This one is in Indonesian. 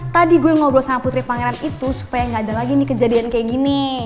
tadi gue ngobrol sama putri pangeran itu supaya gak ada lagi nih kejadian kayak gini